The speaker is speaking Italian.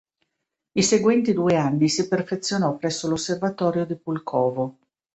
I seguenti due anni si perfezionò presso l'osservatorio di Pulkovo.